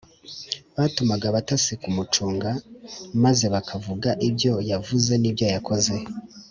. Batumaga abatasi kumucunga maze bakavuga ibyo yavuze n’ibyo yakoze.